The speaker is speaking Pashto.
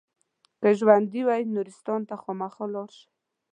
که ژوندي وئ نورستان ته خامخا لاړ شئ.